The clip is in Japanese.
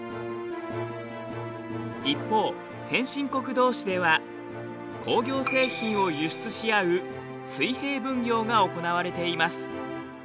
一方先進国どうしでは工業製品を輸出し合う水平分業が行われています。